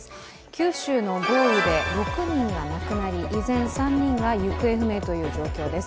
九州の豪雨で６人が亡くなり依然３人が行方不明という状況です